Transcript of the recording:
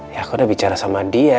ya aku udah bicara sama dia